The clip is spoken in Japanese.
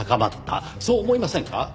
そう思いませんか？